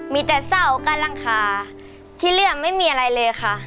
มีแต่เสาการรังคาที่เรื่องไม่มีอะไรเลยค่ะ